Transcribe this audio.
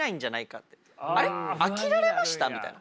飽きられました？みたいな。